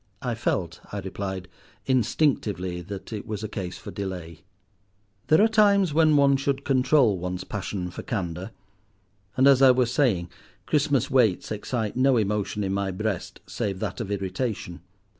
"I felt," I replied, "instinctively that it was a case for delay." There are times when one should control one's passion for candour; and as I was saying, Christmas waits excite no emotion in my breast save that of irritation.